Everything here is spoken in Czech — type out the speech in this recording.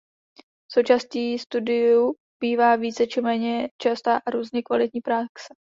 Součástí studiu bývá více či méně častá a různě kvalitní praxe.